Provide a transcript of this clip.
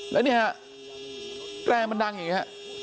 แล้วนี่ฮะแตรมันดังอย่างนี้ฮะ